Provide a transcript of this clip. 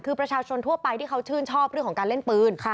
คือประชาชนทั่วไปที่เขาชื่นชอบเรื่องของการเล่นปืน